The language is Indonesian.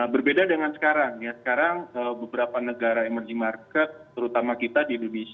berbeda dengan sekarang ya sekarang beberapa negara emerging market terutama kita di indonesia